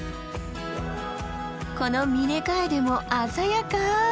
このミネカエデも鮮やか。